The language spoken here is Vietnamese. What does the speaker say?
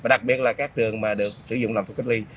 đặc biệt là các trường mà được sử dụng làm thuốc cách ly